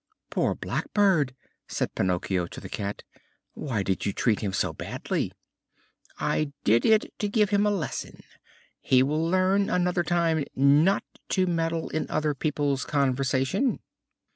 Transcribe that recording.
"Poor Blackbird!" said Pinocchio to the Cat, "why did you treat him so badly?" "I did it to give him a lesson. He will learn another time not to meddle in other people's conversation."